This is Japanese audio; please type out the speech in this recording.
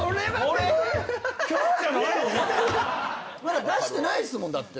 まだ出してないですもんだって。